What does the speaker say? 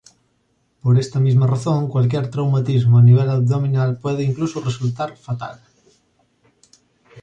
Por esta misma razón, cualquier traumatismo a nivel abdominal puede incluso resultar fatal.